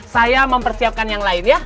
saya mempersiapkan yang lain ya